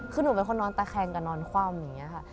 คือหนูเป็นคนนอนตะแคงกับนอนคว่ำอย่างนี้ค่ะ